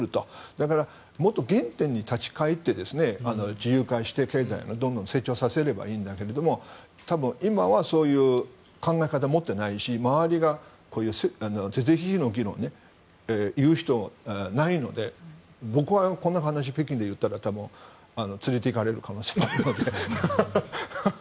だから、もっと原点に立ち返って自由化して経済をどんどん成長させればいいんだけど多分、今はそういう考え方を持っていないし周りが是々非々の議論を言う人がいないので僕はこんな話、北京で言ったら連れていかれる可能性があるんだけど。